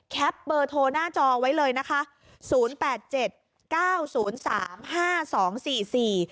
เบอร์โทรหน้าจอไว้เลยนะคะศูนย์แปดเจ็ดเก้าศูนย์สามห้าสองสี่สี่